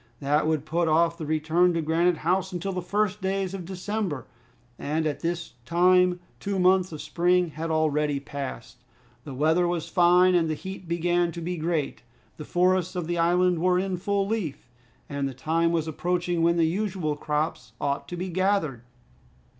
That would put off the return to Granite House until the first days of December. At this time two months of spring had already passed. The weather was fine, and the heat began to be great. The forests of the island were in full leaf, and the time was approaching when the usual crops ought to be gathered.